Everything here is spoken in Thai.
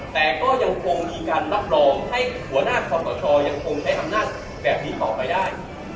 แต่ก็ยังคงมีการรับรองให้หัวหน้าคอสชยังคงใช้อำนาจแบบนี้ต่อไปได้